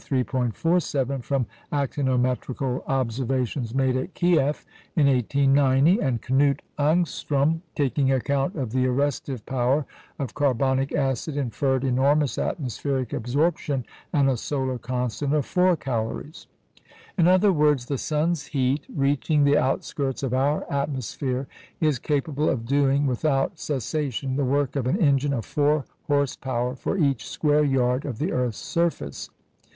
47 from actinometrical observations made at Kieff in 1890; and Knut Ångström, taking account of the arrestive power of carbonic acid, inferred enormous atmospheric absorption, and a solar constant of four calories. In other words, the sun's heat reaching the outskirts of our atmosphere is capable of doing without cessation the work of an engine of four horse power for each square yard of the earth's surface.